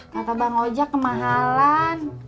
kata bang ojak kemahalan